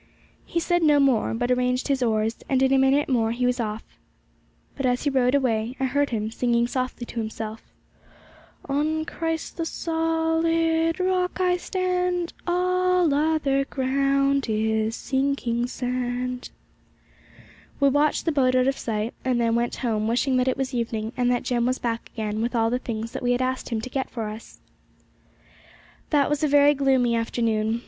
He said no more, but arranged his oars, and in a minute more he was off. But as he rowed away, I heard, him singing softly to himself: 'On Christ, the solid Rock, I stand, All other ground is sinking sand.' We watched the boat out of sight, and then went home, wishing that it was evening and that Jem was back again with all the things that we had asked him to get for us. That was a very gloomy afternoon.